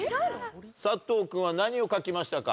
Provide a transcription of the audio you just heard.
佐藤君は何を描きましたか？